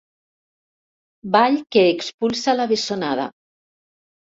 Ball que expulsa la bessonada.